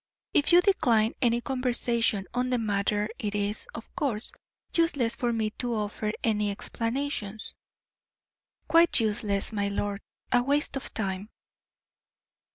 If you decline any conversation on the matter, it is, of course, useless for me to offer any explanations." "Quite useless, my lord; a waste of time."